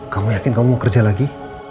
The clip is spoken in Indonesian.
kamu yakin kamu mau kerja lagi